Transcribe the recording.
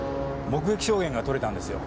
目撃証言が取れたんですよ。